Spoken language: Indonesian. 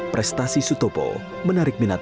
prestasi sutopo menarik minat